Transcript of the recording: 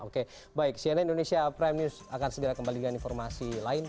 oke baik cnn indonesia prime news akan segera kembali dengan informasi lain